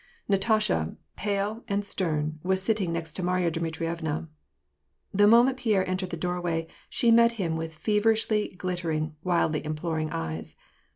Natasha, pale and stern, was sitting next Marya Dmitrievna. The moment Pierre entered the doorway, she met him with feverishly glittering, wildly imploring eyes.